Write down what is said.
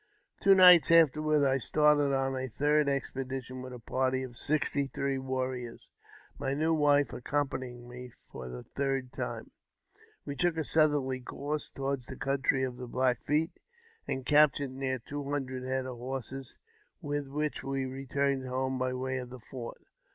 Two nights afterward, I started on a third expedition with a party of sixty three warriors, my new wife accompanying me for the third time. We took a southerly course toward the country of the Black Feet, and captured near two hundred hsad of horses, with which we returned home by way of the 208 AUTOBIOGBAPHY OF 1 werWI fort.